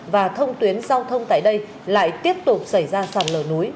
và thông tuyến giao thông tại đây lại tiếp tục xảy ra sạt lở núi